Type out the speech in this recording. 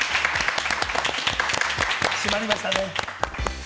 締まりましたね。